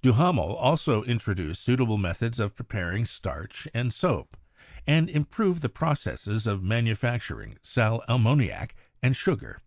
Duhamel also introduced suitable methods of preparing starch and soap, and improved the processes of manufacturing sal ammoniac and sugar.